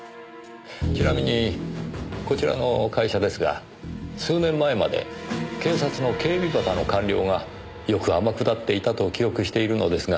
ちなみにこちらの会社ですが数年前まで警察の警備畑の官僚がよく天下っていたと記憶しているのですが。